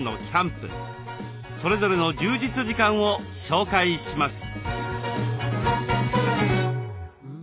それぞれの充実時間を紹介します。